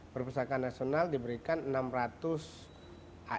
perpustakaan nasional diberikan enam ratus asn perusahaan